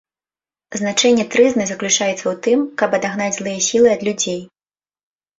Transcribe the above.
Значэнне трызны заключаецца ў тым, каб адагнаць злыя сілы ад людзей.